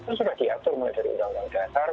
itu sudah diatur mulai dari undang undang dasar